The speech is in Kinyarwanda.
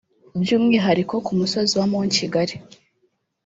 by’umwihariko ku musozi wa Mont Kigali